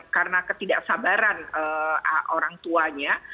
karena ketidaksabaran orang tuanya